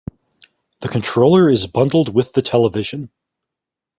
The controller is bundled with the television.